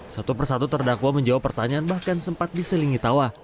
satu persatu terdakwa menjawab pertanyaan bahkan sempat diselingi tawa